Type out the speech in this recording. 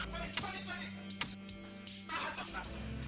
tahan kak fatima